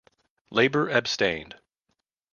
Labour abstained.